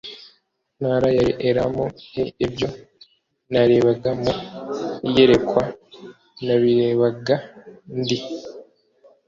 ntara ya elamu e ibyo narebaga mu iyerekwa nabirebaga ndi